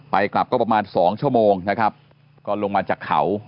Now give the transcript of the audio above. กลับก็ประมาณสองชั่วโมงนะครับก็ลงมาจากเขา